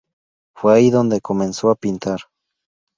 Fue ahí donde comenzó a pintar.